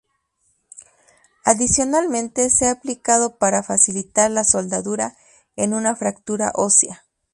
Adicionalmente se ha aplicado para facilitar la soldadura en una fractura ósea.